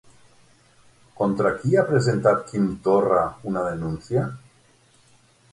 Contra qui ha presentat Quim Torra una denúncia?